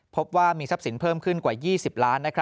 พบว่ามีทรัพย์สินเพิ่มขึ้นกว่า๒๐ล้าน